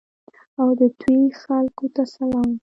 او د دوی خلکو ته سلام.